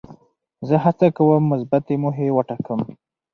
زه هڅه کوم مثبتې موخې وټاکم.